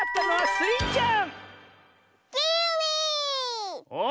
スイちゃん